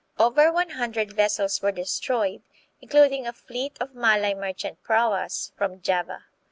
Over one hundred vessels were destroyed, including a fleet of Malay mer chant praus from Java.